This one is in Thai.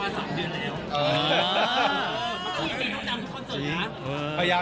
มันก็จะมีทั้ง๔ทั้ง๓คนเศร้า